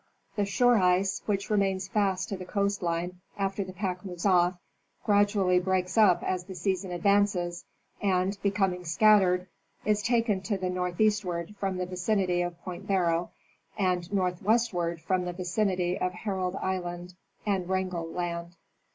The shore ice, which remains fast to the coast line after the pack moves off, gradually breaks up as the season advances, and, becoming scattered, is taken to the northeastward from the vicinity of Point Barrow and northwestward from the vicinity of Herald island and Wrangel land.